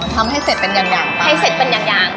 ทำให้เสร็จเป็นอย่าง